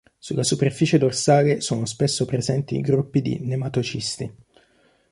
Sulla superficie dorsale sono spesso presenti gruppi di nematocisti.